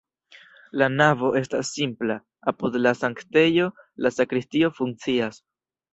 La navo estas simpla, apud la sanktejo la sakristio funkcias.